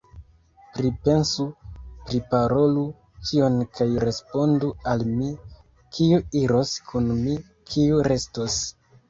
Pripensu, priparolu ĉion kaj respondu al mi, kiu iros kun mi, kiu restos.